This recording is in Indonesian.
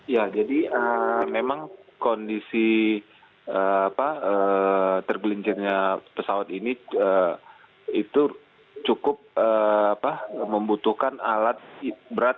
ya jadi memang kondisi tergelincirnya pesawat ini itu cukup membutuhkan alat berat